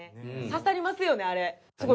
刺さりますよねあれ。